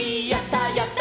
「やった！